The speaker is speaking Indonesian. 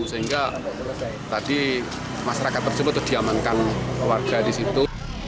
sehingga tadi masyarakat tersebut terdiamankan warga di situ